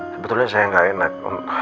sebetulnya saya gak enak